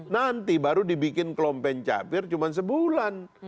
nanti baru dibikin klompen capir cuma sebulan